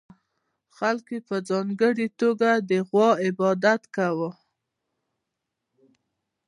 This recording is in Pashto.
خلکو په ځانګړې توګه د غوا عبادت کاوه